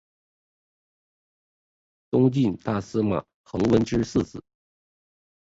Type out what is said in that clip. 东晋大司马桓温之四子。